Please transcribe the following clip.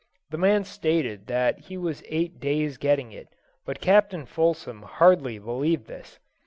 The man stated that he was eight days getting it, but Captain Fulsom hardly believed this.